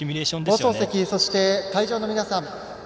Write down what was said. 放送席、そして会場の皆さん。